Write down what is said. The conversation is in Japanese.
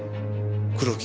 黒木